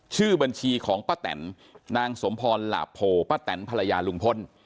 ชื่อบัญชีของป้าแตนนางสมพรหลาโพป้าแตนภรรยาลุงพล